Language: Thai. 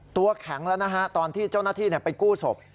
ตัวแข็งแล้วนะฮะตอนที่เจ้าหน้าที่ไปกู้ศพ